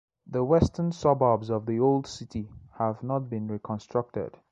The western suburbs of the old city have not been reconstructed.